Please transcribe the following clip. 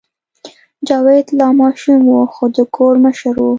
جاوید لا ماشوم و خو د کور مشر و